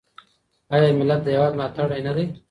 آیا ملت د هیواد ملاتړی نه دی؟